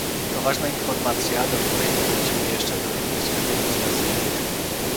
To ważna informacja, do której powrócimy jeszcze we wnioskach legislacyjnych